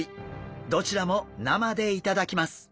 どちらも生で頂きます。